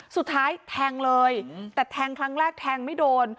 สุดท้ายแทงเลยแต่แทงครั้งแรกแทงไม่โดน